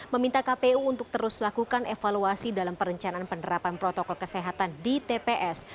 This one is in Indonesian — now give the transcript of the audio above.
meminta kpu untuk terus lakukan evaluasi dalam perencanaan penerapan protokol kesehatan di tps